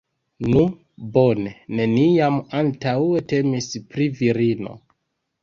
Nu, bone, neniam antaŭe temis pri virino.